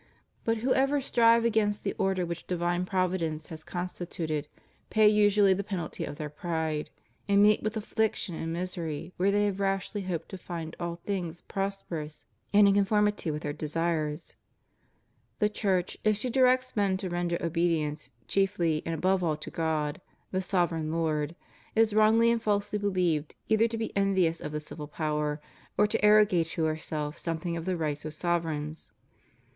But whoever strive against the order which divine Providence has constituted pay usually the penalty of their pride, and meet with affliction and misery where they rashly hoped to find all things prosper ous and in conformity with their desires. The Church, if she directs men to render obedience chiefly and above all to God the sovereign Lord, is wrongly and falsely beheved either to be envious of the civil power or to arrogate to herself something of the rights of sovereigns.